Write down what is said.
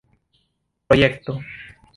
projekto